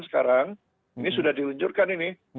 sekarang ini sudah diluncurkan ini